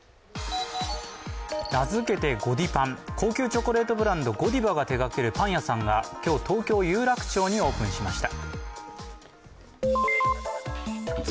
名付けてゴディパン、高級チョコレートブランドゴディバが手がけるパン屋さんが、今日、東京・有楽町にオープンしました。